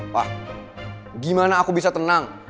wah gimana aku bisa tenang